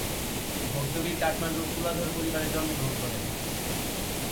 ভক্ত বীর কাঠমান্ডুর তুলাধর পরিবারে জন্মগ্রহণ করেন।